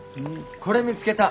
これ見つけた。